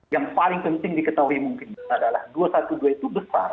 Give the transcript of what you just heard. yang paling penting diketahui mungkin adalah dua ratus dua belas itu besar